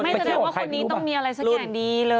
แสดงว่าคนนี้ต้องมีอะไรสักอย่างดีเลย